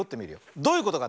どういうことかって？